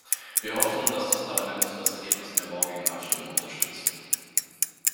Wir hoffen, dass das Parlament das Ergebnis in der morgigen Abstimmung unterstützt.